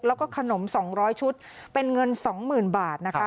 แล้วก็ขนม๒๐๐ชุดเป็นเงิน๒๐๐๐บาทนะคะ